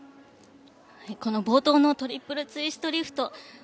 冒頭のトリプルツイストリフト。